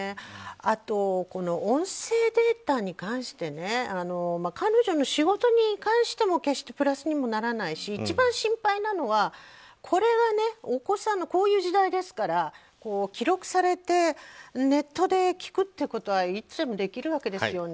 あと、音声データに関してね彼女の仕事に関しても決してプラスにならないし一番心配なのは、お子さんもこういう時代ですから記録されてネットで聞くということはいつでもできるわけですよね。